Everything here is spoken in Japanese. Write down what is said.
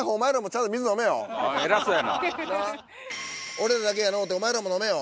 俺らだけやのうてお前らも飲めよ。